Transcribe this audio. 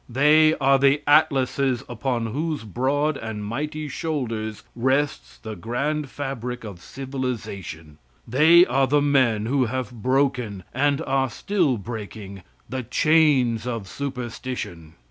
They are the Atlases upon whose broad and mighty shoulders rests the grand fabric of civilization; they are the men who have broken, and are still breaking, the chains of superstition.